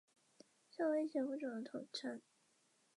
而人权运动者的弗拉加得到州长许可到监狱与犯人交涉。